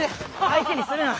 相手にするな。